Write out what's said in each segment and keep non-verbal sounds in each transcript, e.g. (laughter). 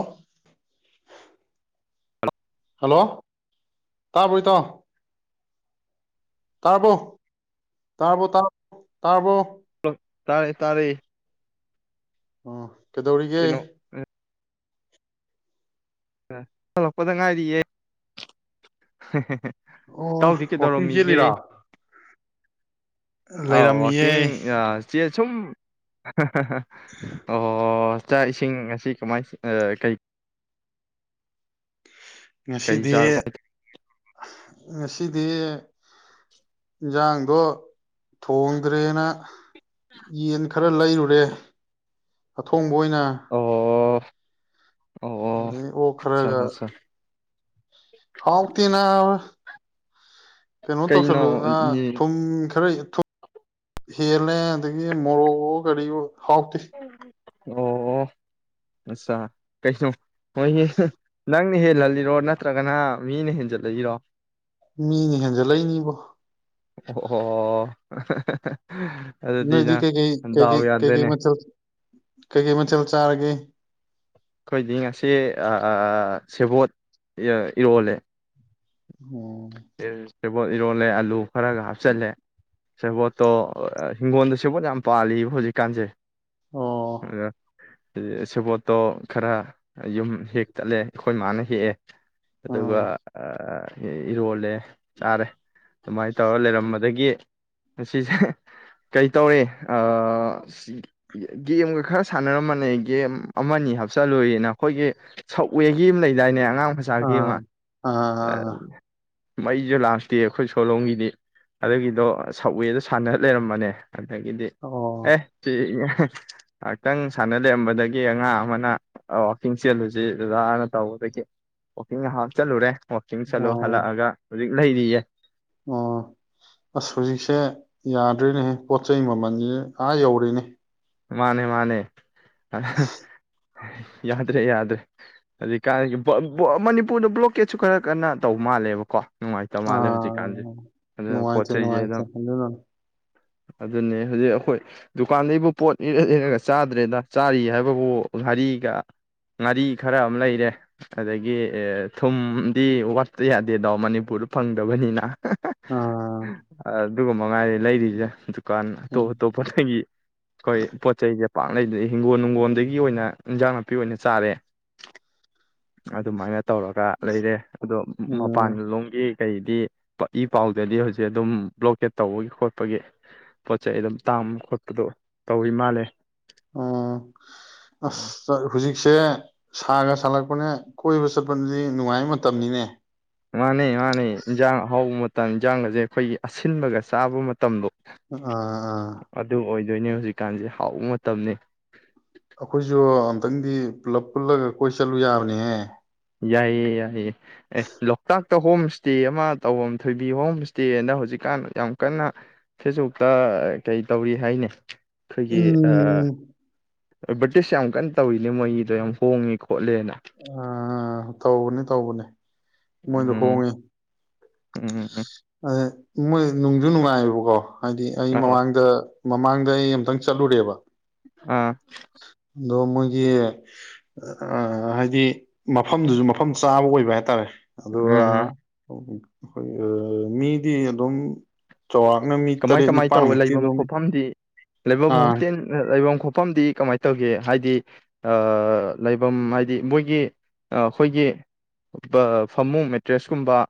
ꯑꯣ ꯍꯜꯂꯣ ꯇꯥ ꯄꯨꯣꯏꯇꯣ ꯇꯔꯔꯕꯣ ꯇꯔꯔꯕꯣ ꯇ ꯇꯥꯔꯔꯕꯣ ꯇꯥꯔꯦ ꯇꯥꯔꯦ ꯑ ꯀꯩꯗꯧꯔꯤꯒꯦ ꯀꯩꯅꯣ ꯊꯣꯛꯂꯛꯄꯗ ꯉꯥꯏꯔꯤꯌꯦꯦ (unintelligible) ꯑꯣ ꯏꯇꯥꯎꯗꯤ ꯋꯥꯋꯀꯤꯡ ꯀꯩꯗꯧꯔꯝꯃꯤꯒꯦ ꯆꯦꯜꯂꯤꯔꯥ ꯑꯥꯎ ꯂꯩꯔꯝꯃꯤꯌꯦ ꯋꯥꯀꯤꯡ ꯁꯤ ꯁꯨꯝ ꯑꯣ ꯆꯥꯛ ꯏꯁꯤꯡ ꯑꯁꯤꯁꯤ ꯀꯃꯥꯏ ꯀꯩ ꯀꯩ ꯉꯁꯤꯗꯤꯁꯤ ꯆꯥꯔꯕ ꯑꯁꯤꯗꯤ ꯏꯟꯁꯥꯡꯗꯣ ꯊꯣꯡꯗ꯭ꯔꯦꯅ ꯌꯦꯟ ꯈꯔ ꯂꯩꯔꯨꯔꯦ ꯑꯊꯣꯡ ꯃꯣꯏꯅ ꯑꯣ ꯑ ꯑꯣ ꯑꯣ ꯑꯠꯆꯥ ꯈꯔꯒ ꯑꯠꯆꯥ ꯍꯥꯎꯇꯅ ꯀꯩꯅꯣ ꯇꯧꯁꯜꯂꯨ ꯏ- ꯊꯨꯝ ꯈꯔ ꯍꯦꯜꯂꯦ ꯑꯗꯒꯤ ꯃꯣꯔꯣꯛ ꯀꯔꯤ ꯍꯥꯎꯛꯇ ꯑꯣ ꯑꯠꯆꯥ ꯀꯩꯅꯣ ꯍꯣꯏ ꯅꯪꯅ ꯍꯦꯜꯍꯜꯂꯤꯔꯣ ꯅꯠꯇ꯭ꯔꯒꯅ ꯃꯤꯅ ꯍꯦꯟꯖꯜꯂꯜꯂꯤꯔꯣ ꯃꯤꯅꯦ ꯍꯦꯟꯖꯜꯂꯛꯏꯅꯤꯕꯣ ꯑꯣ ꯑꯗꯨꯗꯤ ꯅꯗꯤ ꯀꯩ ꯀꯩ ꯅꯪ ꯀꯩ ꯗꯥꯎ ꯀꯩ ꯀꯩ ꯀꯩ ꯌꯥꯗ꯭ꯔꯦꯅꯦ ꯃ ꯆ ꯀꯩꯀꯩ ꯃꯊꯦꯜ ꯆꯥꯔꯒꯦ ꯑꯩꯈꯣꯏꯗꯤ ꯉꯁꯤ ꯁꯦꯕꯣꯠ ꯏꯔꯣꯜꯂꯦ ꯎꯝ ꯑꯦ ꯁꯦꯕꯣꯠ ꯏꯔꯣꯜꯂꯦ ꯑꯂꯨ ꯈꯔꯒ ꯍꯥꯞꯆꯤꯜꯂꯦ ꯁꯦꯕꯣꯠꯇꯣ ꯍꯤꯡꯒꯣꯜꯗ ꯁꯦꯕꯣꯠ ꯌꯥꯝ ꯄꯥꯜꯂꯤꯕ ꯍꯧꯖꯤꯛꯀꯥꯟꯁꯦ ꯑꯣ ꯑ ꯁꯕꯣꯠꯇꯣ ꯈꯔ ꯌꯨꯝ ꯍꯦꯛꯛꯇꯠꯂꯦ ꯑꯩꯈꯣꯏ ꯃꯥꯅ ꯍꯦꯛꯑꯦ ꯑꯗꯨꯒ ꯑꯣ ꯑ ꯎꯝ ꯏꯔꯣꯜꯂꯦ ꯁꯥꯥꯔꯦ ꯑꯗꯨꯃꯥꯏꯅ ꯇꯧꯔ ꯂꯩꯔꯝꯕꯗꯒꯤ ꯑꯁꯤꯁꯦ ꯀꯩꯇꯧꯔꯤ ꯒꯦꯝꯒ ꯈꯔ ꯁꯥꯟꯅꯔꯝꯕꯅꯦ ꯒꯦꯝ ꯑꯃꯅꯤ ꯍꯥꯞꯆꯤꯜꯂꯨꯏꯅ ꯑꯩꯈꯣꯏꯒꯤ ꯁꯕꯋꯦꯒꯤ ꯑꯃ ꯂꯩꯗꯥꯏꯅꯦ ꯑꯉꯥꯡ ꯃꯆꯥꯒꯤ ꯑꯃ ꯑꯥ ꯑꯥ ꯃꯩꯁꯨ ꯂꯥꯛꯇꯦ ꯑꯩꯈꯣꯏ ꯁꯣꯂꯣꯡꯝꯒꯤꯗꯤ ꯑꯗꯨꯒꯤꯗꯣ ꯁꯕꯋꯦꯗꯣ ꯁꯥꯟꯅ ꯂꯩꯔꯝꯕꯅꯦ ꯑꯗꯒꯤꯗꯤ ꯑꯦ ꯑꯣ ꯁꯤ ꯉꯥꯏꯍꯥꯛꯇꯪ ꯁꯥꯟꯅ ꯂꯩꯑꯝꯕꯗꯒꯤ ꯑꯉꯥꯡ ꯑꯃꯅ ꯋꯥꯛꯀꯤꯡ ꯆꯦꯜꯂꯨꯁꯤ ꯖꯅ ꯇꯧꯕꯗꯒꯤ ꯋꯥꯛꯀꯤꯡ ꯍꯥꯞꯆꯜꯂꯨꯔꯦ ꯋꯥꯀꯤꯡꯁꯂꯣ ꯑꯣ ꯍꯜꯂꯛꯑꯒ ꯍꯧꯖꯤꯛ ꯂꯩꯔꯤꯌꯦ ꯑꯣ ꯑꯁ ꯍꯧꯖꯤꯛꯁꯦ ꯌꯥꯗ꯭ꯔꯦꯅꯦꯍꯦ ꯄꯣꯠ ꯆꯩꯩ ꯃꯃꯜꯁꯦ ꯑꯥ ꯌꯧꯔꯦꯅꯦ ꯃꯥꯅꯦ ꯃꯥꯅꯦ ꯑ (unintelligible) ꯌꯥꯗ꯭ꯔꯦ ꯌꯥꯗ꯭ꯔꯦ ꯍꯨꯖꯤꯛꯀꯥꯟꯒꯤ ꯃꯅꯤꯄꯨꯔꯗ ꯕ꯭ꯂꯣꯀꯦꯠꯁꯨ ꯈꯔ ꯀꯟꯅ ꯇꯧ ꯃꯥꯜꯂꯦꯕꯀꯣ ꯅꯨꯡꯉꯥꯏꯇꯕ ꯃꯥꯜꯂꯦ ꯍꯧꯖꯤꯛꯀꯥꯟꯁꯦ ꯑꯥ ꯑꯗꯨꯅ ꯄꯣꯠ ꯅꯨꯡꯉꯥꯏꯇꯦ ꯆꯩꯁꯦ ꯅꯨꯡꯉꯥꯏꯇꯦ ꯑꯗꯨꯝ ꯑꯗꯨꯅꯦ ꯍꯧꯖꯤꯛ ꯑꯩꯈꯣꯏ ꯗꯨꯀꯥꯟꯗꯩꯕꯨ ꯄꯣꯠ ꯏꯔ ꯏꯔꯒ (unintelligible) ꯆꯥꯗ꯭ꯔꯦꯗ ꯆꯥꯔꯤ ꯍꯥꯏꯕꯕꯨ ꯉꯥꯔꯤꯒ ꯉꯥꯔꯤ ꯈꯔ ꯑꯃ ꯂꯩꯔꯦ ꯑꯗꯒꯤ ꯊꯨꯝꯗꯤ ꯋꯥꯠꯠꯇ ꯌꯥꯗꯦꯗꯣ ꯃꯅꯤꯄꯨꯔꯗ ꯐꯪꯗꯕꯅꯤꯅ ꯑꯥ ꯑ (unintelligible) ꯑꯗꯨꯒ ꯃꯉꯥꯏꯔꯦ ꯂꯩꯔꯤꯁꯦ ꯀꯥꯟ ꯇꯣ ꯎꯝ ꯇꯣ ꯄ (unintelligible) ꯀꯣꯏ ꯄꯣ ꯆꯩ ꯌꯥꯝ ꯄꯥꯛ ꯂꯩꯗ꯭ꯔꯦ ꯍꯤꯡꯒꯣꯜ ꯅꯨꯡꯒꯣꯜꯗꯒꯤ ꯑꯣꯏꯅ ꯏꯟꯖꯥꯡ ꯅꯥꯄꯤ ꯑꯣꯏꯅ ꯆꯥꯔꯦ ꯑꯗꯨꯃꯥꯏꯅ ꯇꯧꯔꯒ ꯂꯩꯔꯦ ꯑꯗꯣ ꯃꯄꯥꯟ ꯎꯝ ꯂꯣꯝꯒꯤ ꯀꯩꯗꯤ ꯏ ꯄꯥꯎꯗꯗꯤ ꯍꯧꯖꯤꯛ ꯑꯗꯨꯝ ꯕ꯭ꯂꯣꯀꯦꯠ ꯇꯧꯕꯒꯤ ꯈꯣꯠꯄꯒꯤ ꯄꯣꯠ ꯆꯩ ꯑꯗꯨꯝ ꯇꯥꯡꯕ ꯈꯣꯠꯄꯗꯣ ꯇꯧꯋꯤ ꯃꯥꯜꯂꯦ ꯑꯣ ꯑ ꯑꯁ ꯍꯖꯤ ꯁꯦ ꯁꯥꯒ ꯁꯥꯒꯠꯂꯛꯄꯅꯦ ꯀꯣꯏꯕ ꯆꯠꯄꯗꯨꯗꯤ ꯅꯨꯡꯉꯥꯏꯕ ꯃꯇꯝꯅꯤꯅꯦ ꯃꯥꯅꯦ ꯃꯥꯅꯦ ꯏꯟꯖꯥꯡ ꯑꯍꯥꯎꯕ ꯃꯇꯝ ꯏꯟꯖꯥꯡꯒꯁꯦ ꯑꯩꯈꯣꯏꯒꯤ ꯑꯁꯤꯟꯕꯒ ꯆꯥꯕ ꯃꯇꯝꯗꯣ ꯑꯥ ꯑꯗꯨ ꯑꯣꯏꯗꯣꯏꯅꯦ ꯍꯧꯖꯤꯛꯀꯥꯟ ꯃꯇꯝꯁꯦ ꯍꯥꯎꯕ ꯃꯇꯝꯅꯦ ꯑꯩꯈꯣꯏꯁꯨ ꯑꯝꯇꯪꯗꯤ ꯄꯨꯂꯞ ꯄꯨꯜꯂꯒ ꯀꯣꯏ ꯆꯠꯂꯨ ꯌꯥꯕꯅꯦꯍꯦ ꯌꯥꯏꯌꯦ ꯌꯥꯏꯌꯦ ꯑꯦ ꯂꯣꯛꯇꯥꯛ ꯛꯇ ꯍꯣꯝ ꯏꯁꯇꯦ ꯑꯃ ꯇꯧꯐꯝ ꯊꯣꯏꯕꯤ ꯍꯣꯝ ꯁꯇꯦꯅ ꯍꯧꯖꯤꯛꯀꯥꯟ ꯌꯥꯝ ꯀꯟꯅ ꯐꯦꯁꯕꯨꯛꯇ ꯀꯩ ꯇꯧꯔꯤ ꯍꯥꯏꯅꯤ ꯑꯩꯩꯈꯣꯏꯒꯤ ꯎꯝ ꯑꯦꯗꯕꯔꯤꯇꯤꯁ ꯌꯥꯝ ꯀꯟꯅ ꯇꯧꯔꯤꯅꯦ ꯃꯣꯏꯒꯤꯗꯣ ꯌꯥꯝ ꯍꯣꯡꯉꯤ ꯈꯣꯠꯂꯦꯅ ꯑꯥ ꯇꯧꯕꯅꯦ ꯇꯧꯕꯅꯦ ꯃꯣꯏꯗꯣ ꯎꯝ ꯍꯣꯡꯉꯦ ꯎꯝ ꯎꯝ ꯑ (unintelligible) ꯃꯣꯏ ꯅꯨꯡꯁꯨ ꯅꯨꯡꯉꯥꯏꯌꯦꯕꯀꯣ ꯍꯥꯏꯗꯤ ꯑꯩ ꯑ ꯃꯃꯥꯡꯗ ꯃꯃꯥꯡꯗ ꯑꯩ ꯑꯝꯇꯪ ꯆꯠꯂꯨꯔꯦꯕ ꯑꯥ ꯑꯗꯣ ꯃꯣꯏꯒꯤ ꯍꯥꯏꯗꯤ ꯃꯐꯝꯗꯨꯁꯨ ꯃꯐꯝ ꯆꯥꯕ ꯑꯣꯏꯕ ꯍꯥꯏꯇꯥꯔꯦ ꯑꯗ ꯎꯝ ꯎꯝ ꯑꯩꯈꯣꯏ ꯃꯤꯗꯤ ꯑꯗꯨꯝ ꯆꯥꯎꯔꯥꯛꯅ ꯃꯤ ꯇꯔꯦꯠ ꯅꯤꯄꯥꯜꯃꯨꯛꯇꯤꯗꯧꯃꯤ ꯂꯩꯕꯤꯟ ꯄꯣꯐꯝꯗꯤ ꯀꯃꯥꯏꯅ ꯇꯧꯒꯦ ꯍꯥꯏꯗꯤ ꯂꯩꯐꯝ ꯍꯥꯏꯗꯤ ꯃꯣꯏꯒꯤ ꯑꯩꯈꯣꯏꯒꯤ ꯐꯃꯨꯡ ꯃꯦꯇ꯭ꯔꯦꯁꯀꯨꯝꯕ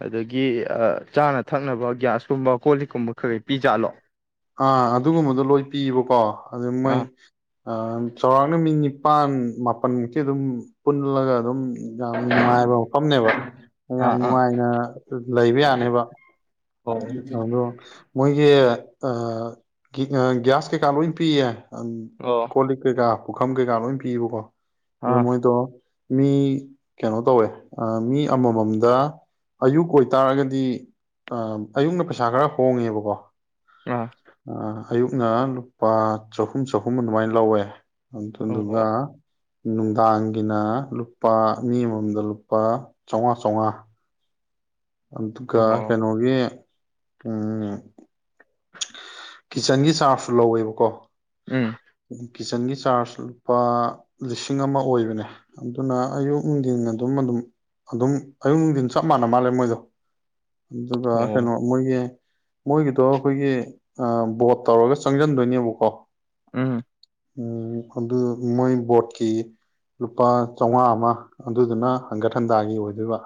ꯑꯗꯒꯤ ꯆꯥꯅ ꯊꯛꯅꯕ ꯒ꯭ꯌꯥꯁ ꯀꯨꯝꯕ ꯀꯣꯂꯤꯛ ꯀꯨꯝꯕ ꯈꯩꯩ ꯄꯤꯖꯥꯠꯂꯣ ꯑꯥ ꯑꯗꯨꯒꯨꯝꯕꯗꯣ ꯂꯣꯏ ꯄꯤꯕꯀꯣ ꯑꯗꯨꯃ ꯑꯥ ꯆꯥꯎꯧꯔꯥꯛꯅ ꯃꯤ ꯅꯤꯄꯥꯟ ꯃꯥꯄꯜꯃꯨꯛꯇꯤ ꯑꯗꯨꯝ ꯄꯨꯜꯂꯒ ꯑꯗꯨꯝ ꯌꯥꯝ ꯅꯨꯡꯉꯥꯏꯕ ꯃꯐꯝꯅꯦꯕ ꯌꯥꯝ ꯑꯥ ꯑꯥ ꯅꯨꯡꯉꯥꯏꯅ ꯂꯩꯕ ꯌꯥꯅꯦꯕ ꯑꯣ ꯑꯣ ꯃꯣꯏꯒ ꯒ꯭ꯌꯥꯁ ꯀꯩꯀꯥ ꯂꯣꯏꯅ ꯄꯤꯌꯦ ꯎ ꯀꯣꯂꯤ ꯀꯩ ꯀꯥ ꯄꯨꯈꯝ ꯀꯩꯀꯥ ꯂꯣꯏ ꯄꯤꯕꯀꯣ ꯑꯗꯣ ꯑꯥ ꯃꯣꯏ ꯇꯣ ꯃꯤ ꯀꯩꯅꯣ ꯇꯧꯋꯦ ꯃꯤ ꯑꯃꯃꯝꯗ ꯑꯌꯨꯛ ꯑꯣꯏꯇꯥꯔꯒꯗꯤ ꯑ ꯑꯌꯨꯛꯅ ꯄꯩꯁꯥ ꯈꯔ ꯍꯣꯡꯉꯦꯕꯀꯣ ꯑꯥ ꯑ ꯑꯌꯨꯛꯅ ꯂꯨꯄꯥ ꯆꯍꯨꯝ ꯆꯍꯨꯝ ꯑꯗꯨꯃꯥꯏꯅ ꯂꯧꯋꯦ ꯍ ꯇꯗꯨꯒ ꯑꯣ ꯅꯨꯡꯗꯥꯡꯒꯤꯅ ꯂꯨꯄꯥ ꯃꯤ ꯑꯃꯃꯝꯗ ꯂꯨꯄꯥ ꯆꯥꯝꯃꯉꯥ ꯆꯥꯝꯃꯉꯥ ꯑꯗꯨꯒ ꯑꯣ ꯀꯩꯅꯒꯦ ꯎꯝ ꯀꯤꯠꯆꯟꯒꯤ ꯆꯥꯔꯖꯁꯨ ꯂꯧꯋꯦꯕꯀꯣ ꯎꯝ ꯀꯤꯠꯆꯟꯒꯤ ꯆꯥꯔꯖ ꯂꯨꯄꯥ ꯂꯤꯁꯤꯡ ꯑꯃ ꯑꯣꯏꯕꯅꯦ ꯑꯗꯨꯅ ꯑꯌꯨꯛ ꯅꯨꯡꯊꯤꯟ ꯑꯗꯨꯝ ꯑꯗꯨꯝ ꯑꯗꯨꯝ ꯑꯌꯨꯛ ꯅꯨꯡꯊꯤꯟ ꯆꯞ ꯃꯥꯟꯅ ꯃꯥꯜꯂꯦ ꯃꯣꯏꯗꯣ ꯑꯗꯨꯒ ꯑꯣ ꯀꯩꯅꯣ ꯃꯣꯏꯒꯤ ꯃꯣꯏꯒꯤꯗꯣ ꯑꯩꯈꯣꯏꯒꯤ ꯕꯣꯠ ꯇꯧꯔꯒ ꯆꯪꯁꯤꯟꯗꯣꯏꯅꯦꯕꯀꯣ ꯎꯝ ꯎꯝ ꯑꯗꯨ ꯃꯣꯏ ꯕꯣꯠꯀꯤ ꯂꯨꯄꯥ ꯆꯥꯝꯃꯉꯥ ꯑꯃ ꯑꯗꯨꯗꯨꯅ ꯍꯪꯒꯠ ꯍꯟꯗꯥꯒꯤ ꯑꯣꯏꯗꯣꯏꯕ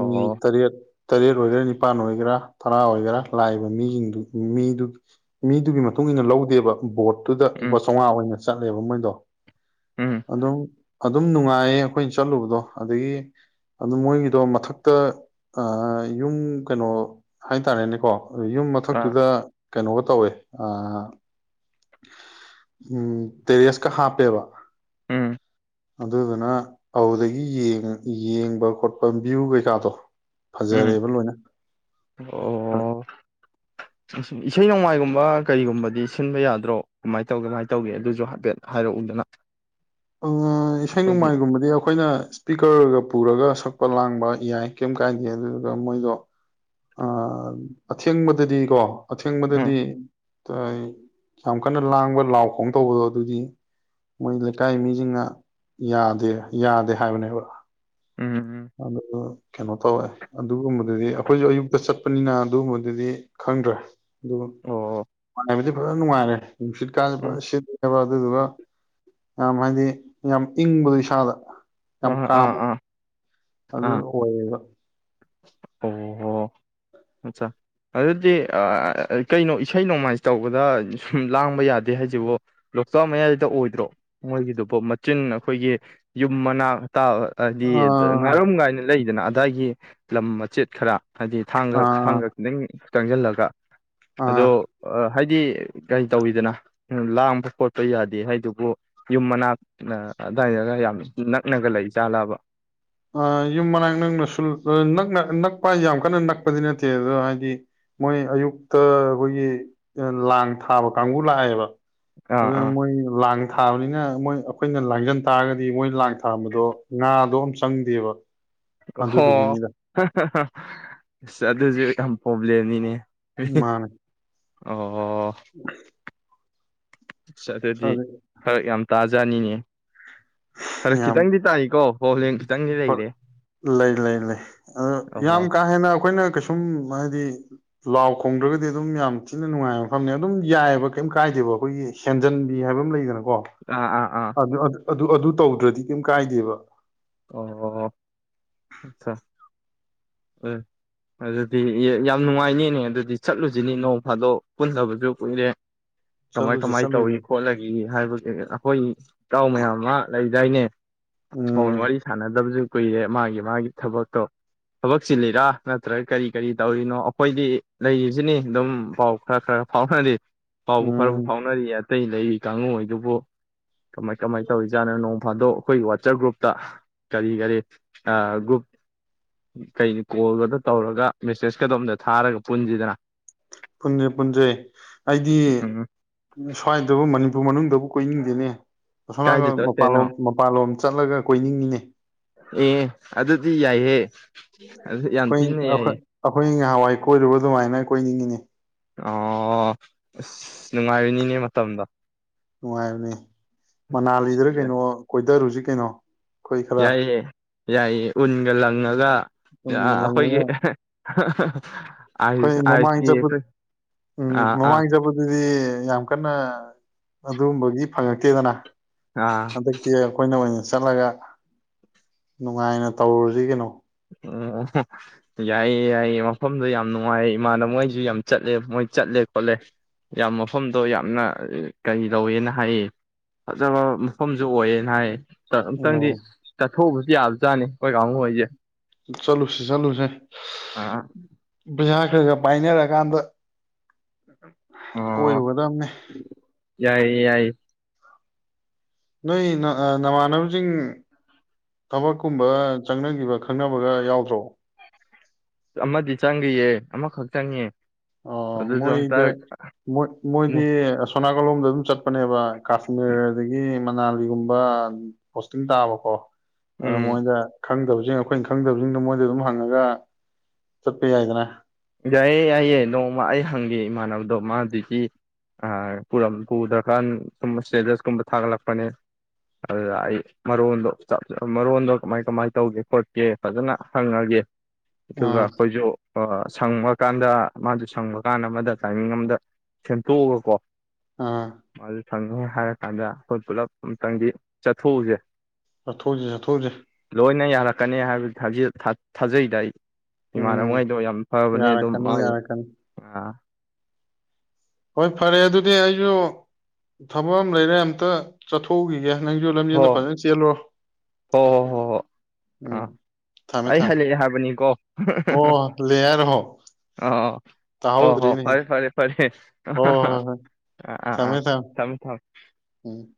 ꯑꯣ ꯠ ꯇꯔꯦꯠ ꯑꯣꯏꯒꯦꯔꯥ ꯅꯤꯄꯥꯟ ꯑꯣꯏꯒꯦꯔꯥ ꯇꯔꯥ ꯑꯣꯏꯒꯦꯔꯥ ꯂꯥꯛꯏꯕ ꯃꯤꯁꯤꯡꯗꯨ ꯃꯤꯗꯨꯒꯤ ꯃꯤꯗꯨꯒꯤ ꯃꯇꯨꯡ ꯏꯟꯅ ꯂꯧꯗꯦꯕ ꯕꯣꯠꯇꯨꯗ ꯎꯝ ꯂꯨꯄꯥ ꯆꯥꯝꯃꯉꯥ ꯑꯣꯏꯅ ꯆꯠꯂꯦꯕ ꯃꯣꯏꯗꯣ ꯎꯝ ꯑꯗꯝ ꯑꯗꯨꯝ ꯅꯨꯡꯉꯥꯏꯌꯦ ꯑꯩꯈꯣꯏꯅ ꯆꯠꯂꯨꯕꯗꯣ ꯑꯗꯒꯤ ꯑꯗꯨꯝ ꯃꯣꯏꯒꯤꯗꯣ ꯃꯊꯛꯇ ꯌꯨꯝ ꯀꯩꯅꯣ ꯍꯥꯏꯇꯥꯔꯦꯅꯦꯀꯣ ꯌꯨꯝ ꯑꯥ ꯃꯊꯛꯇꯨꯗ ꯀꯩꯅꯣꯒ ꯇꯧꯋꯦ ꯑ ꯎꯝ ꯇꯦꯔꯤꯁꯀ ꯍꯥꯞꯄꯦꯕ ꯎꯝ ꯑꯗꯨꯗꯨꯅ ꯐꯗꯒꯤ ꯌꯦꯡꯕ ꯈꯣꯠꯄ ꯚ꯭ꯌꯨ ꯀꯩꯀꯥꯗꯣ ꯎꯝ ꯐꯖꯔꯦꯕ ꯂꯣꯏꯅ ꯑꯨꯝ ꯏꯁꯩ ꯅꯣꯡꯃꯥꯏꯒꯨꯝꯕ ꯀꯔꯤꯒꯨꯝꯕꯗꯤ ꯁꯤꯟꯕ ꯌꯥꯗ꯭ꯔꯣ ꯀꯃꯥꯏꯅ ꯇꯧꯒꯦ ꯀꯃꯥꯏꯅ ꯇꯧꯒꯦ ꯑꯗꯨꯁꯨ ꯍꯥꯏꯐꯦꯠ ꯍꯥꯏꯔꯛꯎꯗꯅ ꯏꯁꯩ ꯑꯩꯈꯣꯏꯒꯤ ꯅꯣꯡꯃꯥꯏꯒꯨꯝꯕꯗꯤ ꯑꯩꯈꯣꯏꯅ ꯏꯁꯄꯤꯀꯔꯒ ꯄꯨꯔꯒ ꯁꯛꯄ ꯂꯥꯡꯕ ꯌꯥꯏ ꯀꯩꯝ ꯀꯥꯏꯗꯦ ꯑꯗꯨꯗꯨꯒ ꯃꯣꯏꯗꯣ ꯑꯊꯦꯡꯕꯗꯗꯤꯀꯣ ꯎꯝ ꯑꯊꯦꯡꯕꯗꯗꯤ ꯌꯥꯝ ꯀꯟꯅ ꯂꯥꯡꯕ ꯂꯥꯎ ꯈꯣꯡ ꯇꯧꯕꯗꯣ ꯑꯗꯨꯗꯤ ꯃꯣꯏ ꯂꯩꯀꯥꯏ ꯃꯤꯁꯤꯡꯅ ꯌꯥꯗꯦ ꯌꯥꯗꯦ ꯍꯥꯏꯕꯅꯦꯕ ꯎꯝ ꯎꯝ ꯑꯗꯨꯗ ꯀꯩꯅꯣ ꯇꯧꯋꯦ ꯑꯗꯨꯒꯨꯝꯕꯗꯨꯗꯤ ꯑꯩꯈꯣꯏꯁꯨ ꯑꯌꯨꯛꯇ ꯆꯠꯄꯅꯤꯅ ꯑꯗꯨꯒꯨꯝꯕꯗꯨꯗꯤ ꯈꯪꯗ꯭ꯔꯦ ꯑꯗꯨ ꯑꯣ ꯐꯖꯅ ꯅꯨꯡꯉꯥꯏꯔꯦ ꯅꯨꯡꯠ ꯀꯥꯕ ꯎꯝ ꯁꯤꯕ ꯑꯗꯨꯗꯨꯒ ꯌꯥꯝ ꯍꯥꯏꯗꯤ ꯌꯥꯝ ꯏꯪꯕꯗꯣ ꯏꯁꯥꯗ ꯌꯥꯝ ꯑꯥ ꯀꯥꯝ ꯑꯥ ꯑꯥ ꯑꯗ ꯑꯣꯏꯌꯦꯦꯒ ꯑꯣꯍꯣ ꯑꯠꯆꯥ ꯑꯗꯨꯗꯤ ꯀꯩꯅꯣ ꯏꯁꯩ ꯅꯣꯡꯃꯥꯏ ꯇꯧꯕꯗ ꯁꯨꯝ ꯂꯥꯡꯕ ꯌꯥꯗꯦ ꯍꯥꯏꯁꯤꯕ ꯂꯣꯛꯇꯥꯛ ꯃꯌꯥꯏꯗ ꯑꯣꯏꯗ꯭ꯔꯣ ꯃꯣꯏꯒꯤꯗꯨꯕꯨ ꯃꯆꯤꯟ ꯑꯩꯈꯣꯏꯒꯤ ꯌꯨꯝ (unintelligible) ꯍꯥꯏꯗꯤ ꯑꯥ ꯉꯥꯔꯝ ꯀꯥꯏꯅ ꯂꯩꯗꯅ ꯑꯗꯥꯏꯒꯤ ꯂꯝ ꯃꯆꯦꯠ ꯈꯔ ꯍꯥꯏꯗꯤ ꯊꯥꯡꯒ ꯑꯥ ꯊꯥꯡꯒ ꯈꯤꯇꯪ ꯆꯪꯁꯤꯜꯂꯒ ꯑꯗꯣ ꯑꯥ ꯑ ꯍꯥꯏꯗꯤ ꯀꯩ ꯇꯧꯋꯤꯗꯅ ꯂꯥꯡꯕ ꯈꯣꯠꯄ ꯌꯥꯗꯦ ꯍꯥꯏꯗꯨꯕꯨ ꯌꯨꯝ ꯃꯅꯥ ꯑꯗꯨꯗꯥꯏꯅꯔꯒ ꯌꯥꯝꯃꯤ ꯅꯛꯅꯒ ꯂꯩ ꯆꯥꯂꯥꯕ ꯌꯨꯝ ꯃꯅꯥꯛ ꯅꯛꯅ ꯅꯛꯄ ꯍꯥꯏꯁꯦ ꯌꯥꯝ ꯀꯟꯅ ꯅꯛꯄꯗꯤ ꯅꯠꯇꯦ ꯑꯗꯣ ꯍꯥꯏꯗꯤ ꯃꯣꯏ ꯑꯌꯨꯛꯇ ꯑꯩꯈꯣꯏꯒꯤ ꯂꯥꯡ ꯊꯥꯕ ꯀꯥꯡꯕꯨ ꯂꯥꯛꯑꯦꯕ ꯑꯥ ꯑꯗꯨ ꯑꯥ ꯃꯣꯏ ꯂꯥꯡꯉ ꯊꯥꯕꯅꯤꯅ ꯃꯣꯏ ꯑꯩꯈꯣꯏꯅ ꯂꯥꯡꯖꯟ ꯇꯥꯔꯒꯗꯤ ꯃꯣꯏ ꯂꯥꯡ ꯊꯥꯝꯕꯗꯣ ꯉꯥꯗꯣ ꯆꯪꯗꯦꯕ ꯍꯣ ꯑꯗꯨꯗꯨꯒꯤꯅꯤꯗ ꯑꯗꯨꯁꯨ ꯌꯥꯝ ꯄꯣꯝꯃꯦ ꯂꯦꯅꯤꯅꯦ ꯃꯥꯅꯦ ꯑꯣꯣ ꯎ ꯑꯗꯨꯗꯤ ꯈꯔ ꯌꯥꯝ ꯇꯥꯖꯩ ꯖꯅꯤꯅꯤ ꯈꯔ ꯌꯥꯝ ꯈꯤꯇꯪꯗꯤ ꯇꯥꯏꯏꯀꯣ ꯂꯩ ꯂꯩ ꯂꯩ ꯑꯣ ꯌꯥꯝ ꯀꯥ ꯍꯦꯟꯅ ꯑꯩꯈꯣꯏꯅ ꯀꯩꯁꯨꯝ ꯍꯥꯏꯗꯤ ꯂꯥꯎ ꯈꯣꯡꯗ꯭ꯔꯒꯗꯤ ꯑꯗꯨꯝ ꯌꯥꯝ ꯊꯤꯅ ꯅꯨꯡꯉꯥꯏꯕ ꯃꯐꯝꯅꯦ ꯑꯗꯨꯝ ꯌꯥꯏꯑꯕ ꯀꯩꯝ ꯀꯥꯏꯗꯦꯕ ꯑꯩꯈꯣꯏꯒꯤ ꯍꯦꯟꯖꯟꯕꯤ ꯍꯥꯏꯕ ꯑꯃ ꯂꯩꯗꯅ ꯋꯥ ꯑꯥ ꯑꯥ ꯑꯥ ꯑꯗꯨ ꯑ ꯑꯗꯨ ꯑꯗꯨ ꯇꯧꯗ꯭ꯔꯗꯤ ꯀꯩꯝ ꯀꯥꯏꯗꯦꯕ ꯑꯣ ꯑꯆꯥ ꯎ ꯑꯗꯨꯗꯤ ꯌꯥꯝ ꯅꯨꯡꯉꯥꯏꯅꯦꯅꯦ ꯑꯗꯨꯗꯤ ꯆꯠꯂꯨꯁꯤꯅꯤ ꯎꯝ ꯅꯣꯡ ꯐꯥꯗꯣꯛ ꯄꯨꯟꯗꯕꯁꯨ ꯀꯨꯏꯔꯦ ꯀꯃꯥꯏ ꯆꯠꯂꯨꯁꯦ ꯀꯃꯥꯏ ꯇꯧꯏ ꯆꯠꯂꯨꯁꯦ ꯈꯣꯠꯂꯒ ꯍꯥꯏꯕꯒꯤ ꯑꯩꯈꯣꯏ ꯏꯇꯥꯎ ꯃꯌꯥꯝ ꯑꯃ ꯂꯩ ꯌꯥꯏꯅꯦ ꯍꯣꯏ ꯎꯝ ꯋꯥꯔꯤ ꯁꯥꯟꯅꯗꯕꯁꯨ ꯀꯨꯏꯔꯦ ꯃꯥꯒꯤ ꯆꯉ ꯊꯕꯠꯇꯣ ꯊꯕꯛ ꯆꯤꯜꯂꯤꯔꯥ ꯅꯠꯇ꯭ꯔꯒ ꯀꯔꯤ ꯀꯔꯤ ꯇꯧꯔꯤꯅꯣ ꯑꯩꯈꯣꯏꯗꯤ ꯂꯩꯔꯤꯁꯤꯅꯤ ꯑꯗꯨꯝ ꯄꯥꯎ ꯈꯔ ꯈꯔ ꯐꯥꯎꯅꯔꯤ ꯐꯥꯎꯕ ꯐꯔꯕꯨ ꯎꯝ ꯐꯥꯎꯅ ꯍꯥꯏ ꯑꯇꯩ ꯂꯩꯔꯤ ꯀꯥꯡꯕꯨꯗꯨꯕꯨ ꯀꯃꯥꯏ ꯀꯃꯥꯏꯅ ꯇꯧꯔꯤꯖꯥꯠꯅꯣ ꯅꯣꯡ ꯐꯥꯗꯣꯛ ꯑꯩꯈꯣꯏꯒꯤ ꯋꯥꯆꯞ ꯒ꯭ꯔꯨꯞꯇ ꯀꯔꯤ ꯀꯔꯤ ꯒ꯭ꯔꯨꯞ ꯀꯩꯅꯤ ꯀꯣꯜꯒꯗ ꯇꯧꯔꯒ ꯃꯦꯁꯦꯁꯀꯗꯣ ꯑꯝꯗ ꯊꯥꯔꯒ ꯄꯨꯟꯁꯤꯗꯅ ꯄꯨꯟꯁꯩ ꯄꯨꯟꯖꯩ ꯑꯩꯗꯤ ꯎꯝ ꯁ꯭ꯋꯥꯏꯗꯕꯨ ꯃꯅꯤꯄꯨꯔ ꯑꯗꯨ ꯃꯅꯨꯡꯗꯕꯨ ꯀꯣꯏꯅꯤꯡꯗꯦꯅꯦ ꯑꯁ ꯃꯥꯟꯂꯣ ꯀꯥꯏꯗ ꯆꯠꯇꯣꯏꯅꯣ ꯃꯄꯥꯟꯂꯣꯝ ꯆꯠꯂꯒ ꯀꯣꯏꯅꯤꯡꯉꯤꯅꯦ ꯑꯦ ꯑꯗꯨꯗꯤ ꯌꯥꯏꯍꯦ ꯑꯗꯨ ꯌꯥꯝ ꯑꯩꯈꯣꯏ ꯊꯤꯅ ꯌꯥꯏꯍꯦ ꯑꯩꯈꯣꯏ ꯅꯍꯥꯟꯋꯥꯏ ꯀꯣꯏꯔꯨꯕ ꯑꯗꯨꯃꯥꯏꯅ ꯀꯣꯏꯅꯤꯡꯉꯤꯅꯤ ꯑꯣ ꯑꯁ ꯅꯨꯡꯉꯥꯏꯔꯤꯅꯤꯅꯦ ꯃꯇꯝꯗꯣ ꯅꯨꯡꯉꯥꯏꯔꯅꯦ ꯃꯅꯥꯂꯤꯗꯔ ꯀꯩꯅꯣ ꯀꯣꯏꯊ ꯍꯧꯖꯤꯛ ꯀꯩꯅꯣ ꯑꯩꯈꯣꯏ ꯈꯔ ꯌꯥꯏꯌꯦꯦ ꯌꯥꯏ ꯎꯟꯒ ꯂꯪꯉꯒ ꯄꯨꯟꯒ ꯂꯪꯉꯒ ꯑꯩꯈꯣꯏꯒꯤ (inaudible) ꯑꯩꯈꯣꯏ ꯃꯃꯥꯡ ꯑꯥꯏꯁꯀꯤ ꯆꯠꯄ ꯑꯩꯈꯣꯏ ꯎꯝ ꯑꯥ ꯑꯥ ꯃꯃꯥꯡ ꯆꯠꯄꯗꯨꯗꯤ ꯌꯥꯝ ꯀꯟꯅ ꯑꯗꯨꯒꯝꯕꯒꯤ ꯐꯪꯉꯛꯇꯦꯗꯅ ꯑꯥ ꯑꯗꯛꯇ ꯑꯩꯣꯏꯅ ꯑꯣꯏꯣꯏꯅꯦ ꯆꯠꯂꯒ ꯅꯨꯡꯉꯥꯏꯅ ꯇꯧꯔꯨꯁꯤ ꯀꯩꯅꯣ ꯑꯣ ꯌꯥꯏꯌꯦ ꯌꯥꯏꯌꯦ ꯃꯐꯝꯗꯣ ꯌꯥꯝ ꯅꯨꯡꯉꯥꯏ ꯏꯃꯥꯅꯕ ꯃꯣꯏꯁꯨ ꯌꯥꯝ ꯆꯠꯂꯦ ꯃꯣꯏ ꯆꯠꯂꯦ ꯈꯣꯠꯂꯦ ꯌꯥꯝ ꯃꯐꯝꯗꯣ ꯌꯥꯝꯅ ꯀꯔꯤ ꯂꯧꯧꯋꯦꯅ ꯍꯥꯏꯌꯦ ꯐꯖꯕ ꯃꯐꯝꯁꯨ ꯑꯣꯏꯌꯦꯅ ꯍꯥꯏꯌꯦ ꯑꯣ ꯑꯨꯛꯇꯪꯗꯤ ꯆꯠꯊꯣꯛꯎꯑꯕꯁꯨ ꯌꯥꯗ ꯆꯥꯅꯤ ꯑꯩꯈꯣꯏ ꯀꯥꯡꯕꯨ ꯑꯣꯏꯁꯦ ꯆꯠꯂꯨꯁꯦ ꯆꯠꯂꯨꯁꯦ ꯑꯥ ꯄꯩꯁꯥ ꯈꯔ ꯈꯔ ꯄꯥꯏꯅꯔꯀꯥꯟꯗ ꯑꯣ ꯀꯣꯏꯔꯨꯒꯗꯕꯅꯦ ꯌꯥꯏꯌꯦ ꯌꯥꯏꯌꯦ ꯅꯣꯏ ꯅꯃꯥꯟꯅꯕꯁꯤꯡ ꯊꯕꯛꯀꯨꯝꯕ ꯆꯪꯅꯈꯤꯕ ꯈꯪꯅꯕꯒ ꯌꯥꯎꯗ꯭ꯔꯣ ꯑꯃꯗꯤ ꯆꯪꯈꯤꯌꯦ ꯑꯃꯈꯛ ꯆꯪꯉꯦ ꯑꯣ ꯑꯗꯨꯁꯨ ꯃꯣꯏꯗ ꯍꯟꯇꯛ ꯃꯣꯏ ꯃꯣꯏꯗꯤ ꯃꯨ- ꯁꯅꯥ ꯅꯥꯜꯂꯣꯝꯗ ꯑꯗꯨꯝ ꯆꯠꯄꯅꯦꯕ ꯀꯥꯥꯁꯃꯃꯤꯔꯗꯤꯗꯒꯤ ꯃꯅꯥꯂꯤꯒꯨꯝꯕ ꯄꯣꯁꯇꯤꯡ ꯇꯥꯕꯀꯣ ꯑꯗꯨꯅ ꯎꯝ ꯃꯣꯏꯗ ꯈꯪꯗꯕꯁꯤꯡ ꯑꯩꯈꯣꯏꯅ ꯈꯪꯗꯕꯁꯤꯡꯗꯣ ꯃꯣꯏꯗ ꯑꯗꯨꯝ ꯍꯪꯉꯒ ꯆꯠꯄ ꯌꯥꯏꯗꯅ ꯌꯥꯏꯌꯦ ꯌꯥꯏꯌꯦꯦ ꯅꯣꯡꯃ ꯑꯩ ꯍꯪꯒꯦ ꯏꯃꯥꯟꯅꯕꯗꯣ ꯃꯥꯗꯨꯗꯒꯤ ꯄꯨꯔ ꯄꯨꯗ꯭ꯔꯀꯥꯟ ꯁꯨꯝ ꯏꯁꯇꯦꯇꯁꯀꯨꯝꯕ ꯊꯥꯒꯠꯂꯛꯄꯅꯦ ꯑꯗꯨꯗ ꯑꯩ ꯃꯔꯣꯟꯗꯣ ꯃꯔꯣꯟꯗꯣ ꯀꯃꯥꯏ ꯀꯃꯥꯏꯅ ꯇꯧꯒꯦ ꯈꯣꯠꯀꯦ ꯐꯖꯅ ꯍꯪꯉꯒꯦ ꯑꯗꯨꯒ ꯑꯥ ꯑꯩꯈꯣꯏꯁꯨ ꯑꯣ ꯁꯪꯕꯀꯥꯟꯗ ꯃꯥꯗꯨ ꯁꯪꯕ ꯀꯥꯟꯗ ꯑꯃꯗ ꯇꯥꯏꯃꯤꯡ ꯑꯃꯝꯗ ꯁꯦꯝꯗꯣꯛꯑꯒꯀꯣ ꯑꯥ ꯐꯪꯉꯦ ꯍꯥꯏꯔ ꯀꯥꯟꯗ ꯑꯩꯈꯣꯏ ꯄꯨꯜꯂꯞ ꯑꯃꯨꯛꯇꯪꯗꯤ ꯆꯠꯊꯣꯛꯎꯁꯦ ꯆꯠꯊꯣꯛꯁꯤ ꯆꯠꯊꯣꯛꯁꯤꯦ ꯀꯅꯤ ꯍꯥꯏꯕ ꯊꯥꯖꯩꯗ ꯑꯩ ꯎꯝ ꯏꯃꯥꯟꯉꯩꯗ ꯐꯕꯅꯤ ꯑꯗꯨꯝ ꯌꯥꯔꯛꯀꯅꯤ ꯃꯥ ꯌꯥꯔꯛꯀꯅꯤ ꯑꯥ ꯍꯣꯏ ꯐꯔꯦ ꯑꯗꯨꯗꯤ ꯑꯩꯁꯨ ꯊꯕꯛ ꯑꯃ ꯂꯩꯔꯦ ꯑꯝꯇ ꯆꯠꯊꯣꯛꯎꯈꯤꯒꯦ ꯅꯪꯁꯨ ꯂꯝꯖꯦꯟꯗꯣ ꯍꯣ ꯐꯖꯅ ꯆꯦꯜꯂꯣ ꯍꯣ ꯍꯣ ꯍꯣꯏ ꯍꯣꯏ ꯑꯥ ꯎꯝ ꯊꯝꯃꯦ ꯑꯩ ꯊꯝꯃꯦ ꯍꯜꯂꯛꯑꯦ ꯍꯥꯏꯕꯅꯤꯀꯣ ꯑꯣ ꯂꯦ ꯍꯥꯏꯔꯣ ꯑꯥ ꯍꯣ ꯍꯣ ꯐꯔꯦ ꯐꯔꯦ ꯐꯔꯦ ꯍ ꯍꯣꯏ ꯍꯣꯏ ꯑꯥ ꯑꯥ ꯑꯥ ꯊꯝꯃꯦ ꯊꯃꯦ (unintelligible) ꯎꯝ